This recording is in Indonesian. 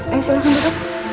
ayo silahkan duduk